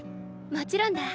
もちろんだ。